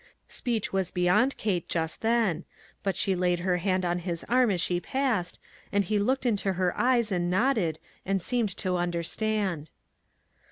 Speech was be yond Kate just then, but she laid her hand on his arm as she passed, and he looked into her eyes, and nodded, and seemed to understand.